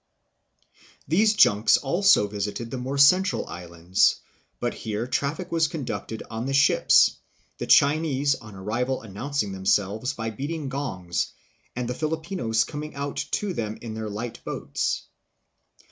These junks also visited the more central islands, but here traffic was conducted on the ships, the Chinese on arrival announcing them selves by beating gongs and the Filipinos coming out to them in their light boats.